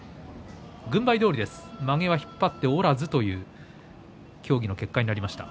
軍配どおりでまげは引っ張っておらずという協議の結果になりました。